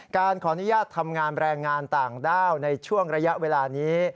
การขออนุญาตทำงานแรงงานต่างด้าวในช่วงระยะเวลานี้